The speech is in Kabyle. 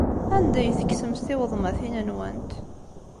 Anda ay tekksemt tigeḍmatin-nwent?